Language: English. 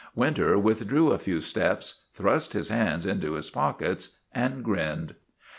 Winter withdrew a few steps, thrust his hands into his pockets, and grinned.